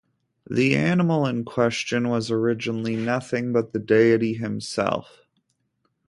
The animal in question was originally nothing but the deity himself.